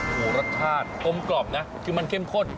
โอ้โหรสชาติกลมกล่อมนะคือมันเข้มข้น